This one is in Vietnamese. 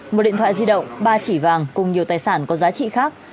một điện thoại di động ba chỉ vàng cùng nhiều tài sản có giá trị khác